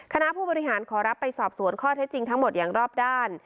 คณะผู้บริหารขอรับไปสอบสวนข้อเท็จจริงทั้งหมดอย่างรอบด้าน